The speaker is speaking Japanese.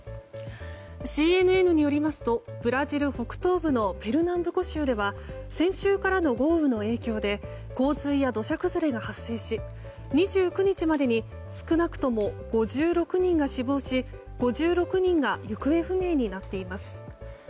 ＣＮＮによりますとブラジル北東部のペルナンブコ州では先週からの豪雨の影響で洪水や土砂崩れが発生し２９日までに少なくとも５６人が死亡し５６人が行方不明になっています。